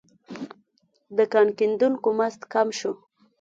د کان کیندونکو مزد کم شو.